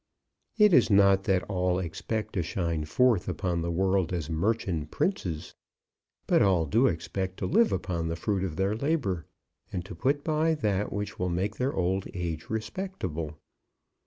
It is not that all expect to shine forth upon the world as merchant princes, but all do expect to live upon the fruit of their labour and to put by that which will make their old age respectable.